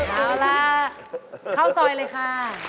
เอาล่ะเข้าซอยเลยค่ะ